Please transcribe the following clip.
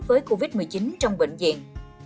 với covid một mươi chín trong bệnh viện